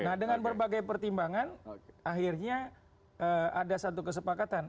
nah dengan berbagai pertimbangan akhirnya ada satu kesepakatan